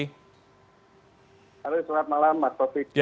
halo selamat malam mas taufik